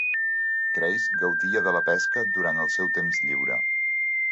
Craze gaudia de la pesca durant el seu temps lliure.